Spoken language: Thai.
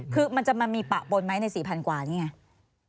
คือมันจะมามีปะปนไหมใน๔๐๐กว่านี่ไง